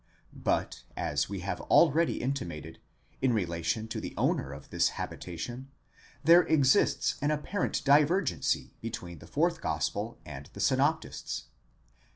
But, as we have already intimated, in relation to the owner of this habitation, there exists an apparent divergency between the fourth gospel and the synoptists.